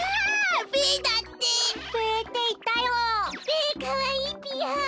べかわいいぴよ。